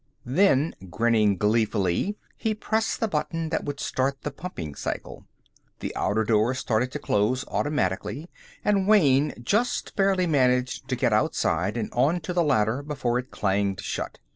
Then, grinning gleefully, he pressed the button that would start the pumping cycle. The outer door started to close automatically, and Wayne just barely managed to get outside and onto the ladder before it clanged shut.